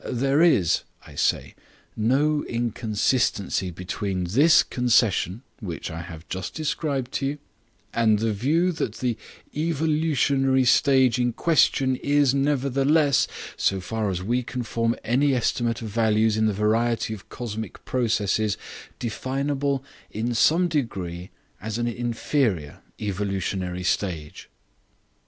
There is, I say, no inconsistency between this concession which I have just described to you and the view that the evolutionary stage in question is, nevertheless, so far as we can form any estimate of values in the variety of cosmic processes, definable in some degree as an inferior evolutionary stage."